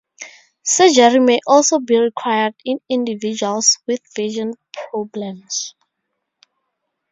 Surgery may also be required in individuals with vision problems.